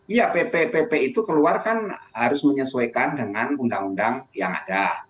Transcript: iya pp pp itu keluar kan harus menyesuaikan dengan undang undang yang ada